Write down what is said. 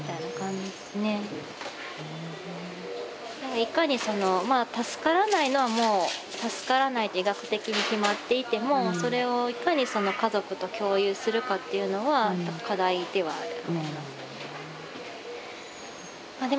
いかにそのまあ助からないのはもう助からないって医学的に決まっていてもそれをいかにその家族と共有するかっていうのは課題ではあるなと思います。